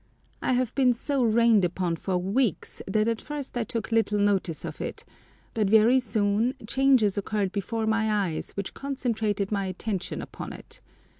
I have been so rained upon for weeks that at first I took little notice of it, but very soon changes occurred before my eyes which concentrated my attention upon it.